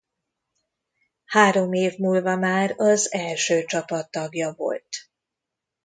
Három év múlva már az első csapat tagja volt.